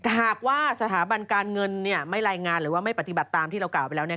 หากว่าสถาบันการเงินไม่รายงานหรือว่าไม่ปฏิบัติตามที่เรากล่าวไปแล้วเนี่ย